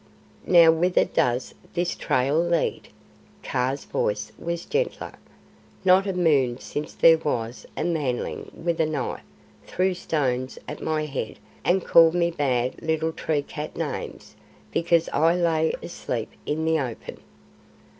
"Now whither does THIS trail lead?" Kaa's voice was gentler. "Not a moon since there was a Manling with a knife threw stones at my head and called me bad little tree cat names, because I lay asleep in the open."